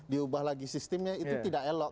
diubah lagi sistemnya itu tidak elok